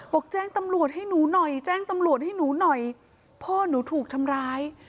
แจ้งตำรวจให้หนูหน่อยแจ้งตำรวจให้หนูหน่อยพ่อหนูถูกทำร้าย